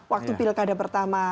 waktu pilkada pertama